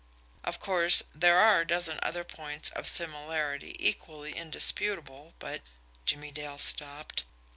Of course, there are a dozen other points of similarity equally indisputable, but " Jimmie Dale stopped.